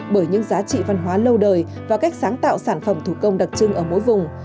bởi những giá trị văn hóa lâu đời và cách sáng tạo sản phẩm thủ công đặc trưng ở mỗi vùng